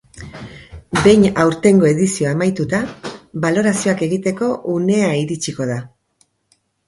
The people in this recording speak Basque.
Behin aurtengo edizioa amaituta, balorazioak egiteko unea iritsiko da.